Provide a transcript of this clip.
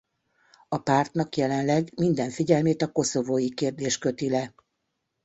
A pártnak jelenleg minden figyelmét a koszovói kérdés köti le.